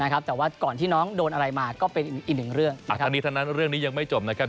นะครับแต่ว่าก่อนที่น้องโดนอะไรมาก็เป็นอีกหนึ่งอ่าธันตรีธนัดเรื่องนี้ยังไม่จบนะครับ